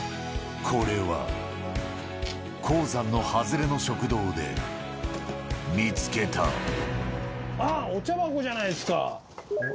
これは、鉱山の外れの食堂で見つあっ、お茶箱じゃないですか。